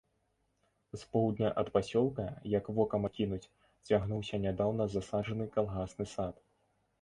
З поўдня ад пасёлка, як вокам акінуць, цягнуўся нядаўна засаджаны калгасны сад.